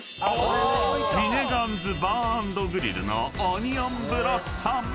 ［フィネガンズ・バー＆グリルのオニオンブロッサム］